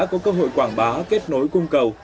có cơ hội quảng bá kết nối cung cầu